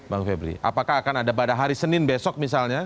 bang febri apakah akan ada pada hari senin besok misalnya